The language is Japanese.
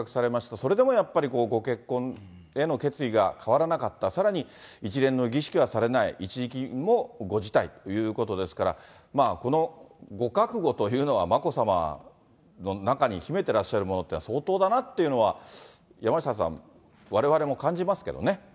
それでもやっぱりご結婚への決意が変わらなかった、さらに一連の儀式はされない、一時金もご辞退ということですから、このご覚悟というのは、眞子さまの中に秘めてらっしゃるものっていうのは相当だなっていうのは、山下さん、われわれも感じますけどね。